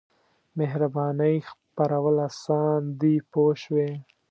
مهربانۍ خپرول اسان دي پوه شوې!.